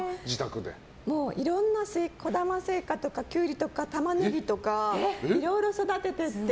いろんな小玉スイカとかキュウリとかタマネギとかいろいろ育ててて。